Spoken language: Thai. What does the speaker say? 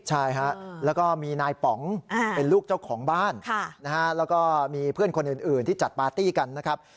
ใช่ฮะแล้วก็มีนายป๋องเป็นลูกเจ้าของบ้านแล้วก็มีเพื่อนคนอื่นที่จัดปาร์ตี้กันนะครับ